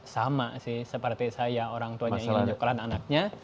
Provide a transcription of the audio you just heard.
sama sih seperti saya orang tuanya ingin nyokalan anaknya